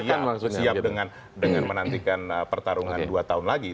artinya kita siap dengan menantikan pertarungan dua tahun lagi